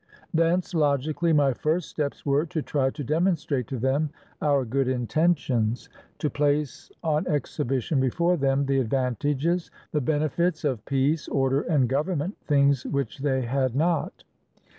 Thence, logically, my first steps were to try to demonstrate to them our good intentions, 544 PREPARING OUR MOROS FOR GOVERNMENT to place on exhibition before them the advantages, the benefits, of peace, order, and government, — things which they had not.